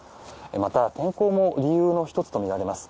また天候も理由の１つとみられます。